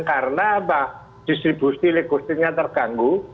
karena distribusi likusinya terganggu